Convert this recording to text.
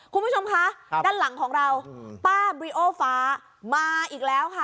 คุณผู้ชมคะด้านหลังของเราป้าบริโอฟ้ามาอีกแล้วค่ะ